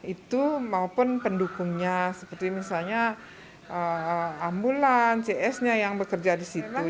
itu maupun pendukungnya seperti misalnya ambulans cs nya yang bekerja di situ